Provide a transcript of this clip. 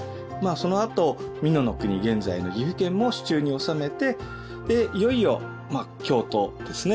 そのあと美濃国現在の岐阜県も手中に収めてでいよいよ京都ですね